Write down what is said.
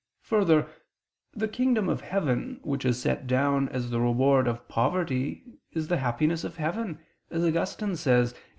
Obj. 3: Further, the kingdom of heaven which is set down as the reward of poverty is the happiness of heaven, as Augustine says (De Civ.